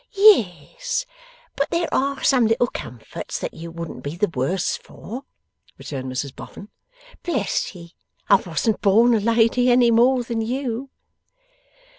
'Yes, but there are some little comforts that you wouldn't be the worse for,' returned Mrs Boffin. 'Bless ye, I wasn't born a lady any more than you.